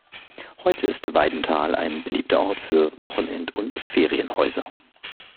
Heute ist Weidenthal ein beliebter Ort für Wochenend- und Ferienhäuser.